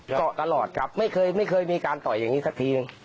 ก็ตลอดครับไม่เคยมีการต่อยอย่างนี้สักที